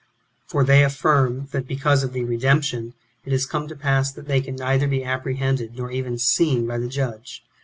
For they affirm, that because of the '^ Redemption"^ it has come to pass that they can neither be apprehended, nor even seen by the judge.